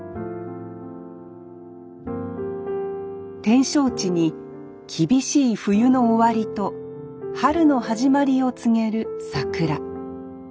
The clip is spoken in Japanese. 展勝地に厳しい冬の終わりと春の始まりを告げる桜。